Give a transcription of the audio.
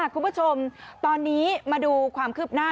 คุณผู้ชมตอนนี้มาดูความคืบหน้า